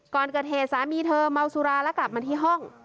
ก่อนเกิดเหตุสามีเธอเมาสุราแล้วกลับมาที่ห้อง